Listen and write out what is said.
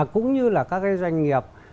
cũng như là các doanh nghiệp